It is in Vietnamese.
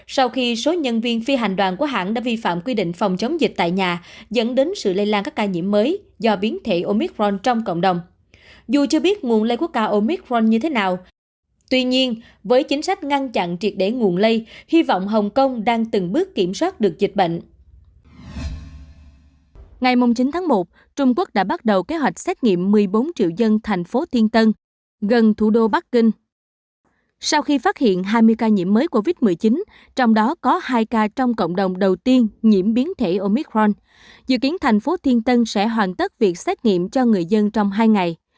sau khi phát hiện hai mươi ca nhiễm mới covid một mươi chín trong đó có hai ca trong cộng đồng đầu tiên nhiễm biến thể omicron dự kiến thành phố thiên tân sẽ hoàn tất việc xét nghiệm cho người dân trong hai ngày